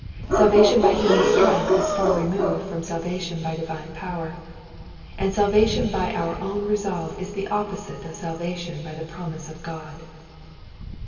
Salvation by human strength is far removed from salvation by divine power : and salvation by our own resolve is the opposite of sal vation by the promise of God.